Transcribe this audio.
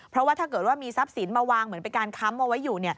เพราะว่าถ้าเกิดว่ามีทรัพย์สินมาวางเหมือนเป็นการค้ำเอาไว้อยู่